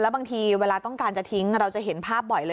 บางทีเวลาต้องการจะทิ้งเราจะเห็นภาพบ่อยเลย